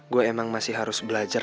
gue emang masih harus belajar